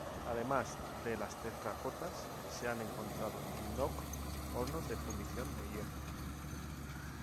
Además de las terracotas, se han encontrado en Nok hornos de fundición de hierro.